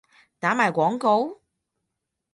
打埋廣告？